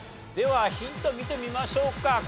ではヒント見てみましょうか。